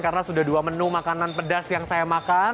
karena sudah dua menu makanan pedas yang saya makan